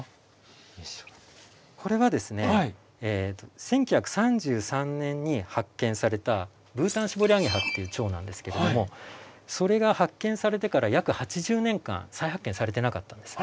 これはですね１９３３年に発見されたブータンシボリアゲハっていうチョウなんですけどもそれが発見されてから約８０年間再発見されてなかったんです。